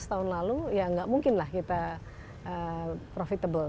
sebelas tahun lalu ya nggak mungkin lah kita profitable